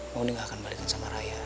mondi gak akan balikin sama raya